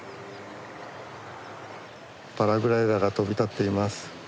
パラグライダーが飛び立っています。